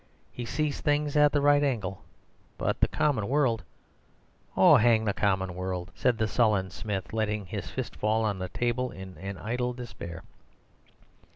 He sees things at the right angle. But the common world—' "'Oh, hang the common world!' said the sullen Smith, letting his fist fall on the table in an idle despair.